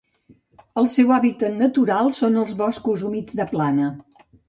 El seu hàbitat natural són els boscos humits de plana.